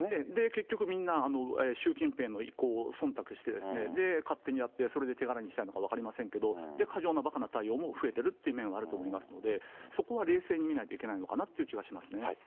結局、みんな、習近平の意向をそんたくして、勝手にやって、それで手柄にしたいのか分かりませんけれども、過剰なばかな対応も増えているという面はあると思いますので、そこは冷静に見ないといけないのかなって気はしますね。